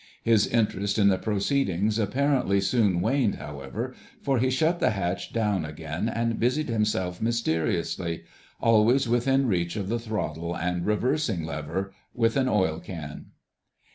His interest in the proceedings apparently soon waned, however, for he shut the hatch down again and busied himself mysteriously—always within reach of the throttle and reversing lever—with an oil can.